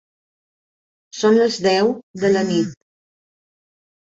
Són les deu de la nit.